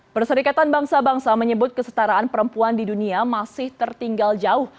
perserikatan bangsa bangsa menyebut kesetaraan perempuan di dunia masih tertinggal jauh